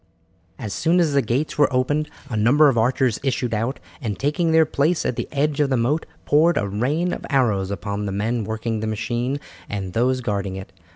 As soon as the gates were opened a number of archers issued out, and taking their place at the edge of the moat, poured a rain of arrows upon the men working the machine and those guarding it.